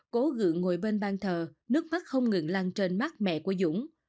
cố gượn ngồi bên ban thờ nước mắt không ngừng lan trên mắt mẹ của dũng